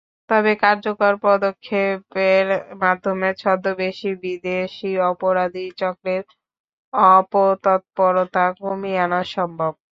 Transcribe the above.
তবে কার্যকর পদক্ষেপের মাধ্যমে ছদ্মবেশী বিদেশি অপরাধী চক্রের অপতৎপরতা কমিয়ে আনা সম্ভব।